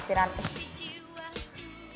enggak juga sih tapi aneh aja